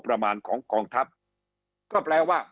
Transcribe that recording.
คำอภิปรายของสอสอพักเก้าไกลคนหนึ่ง